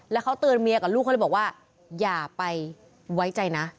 แล้วเขาเตือนเมียกับลูกเขาเลยบอกว่าอย่าไปไว้ใจนะ